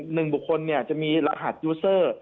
หนึ่งบุคคลจะมีรหัสยูเซอร์